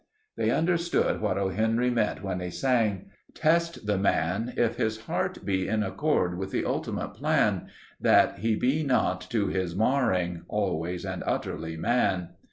'" They understood what O. Henry meant when he sang: "Test the man if his heart be In accord with the ultimate plan, That he be not to his marring, Always and utterly man."